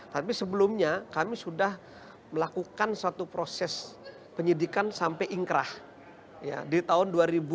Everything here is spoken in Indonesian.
tapi sebelumnya kami sudah melakukan suatu proses penyidikan sampai ingkrah di tahun dua ribu dua puluh